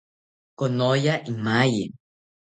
Konoya imaye